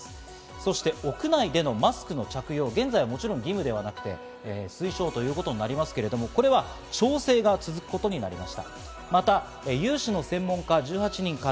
そして、屋内でのマスクの着用、現在は義務ではなくて、推奨ということになりますけど、これは調整が続くことになりました。